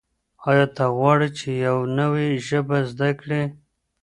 آیا ته غواړې چې یو نوی ژبه زده کړې؟